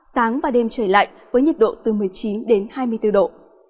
sáng và đêm trời lạnh với nhiệt độ từ một mươi chín đến hai mươi bốn độ